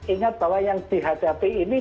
ingat bahwa yang dihadapi ini